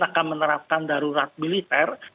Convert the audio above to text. akan menerapkan darurat militer